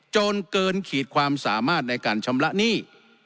จนเกินขีดความสามารถในการชำระหนี้